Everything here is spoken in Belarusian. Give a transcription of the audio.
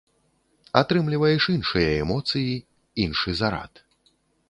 Атрымліваеш іншыя эмоцыі, іншы зарад.